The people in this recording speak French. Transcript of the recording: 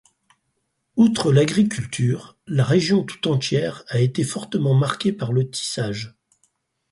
Outre l’agriculture, la région tout entière a été fortement marquée par le tissage.